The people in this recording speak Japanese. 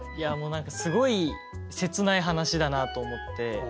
何かすごい切ない話だなと思って。